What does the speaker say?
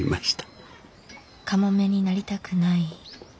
「カモメになりたくない？